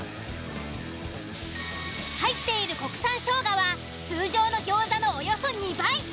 入っている国産生姜は通常の餃子のおよそ２倍。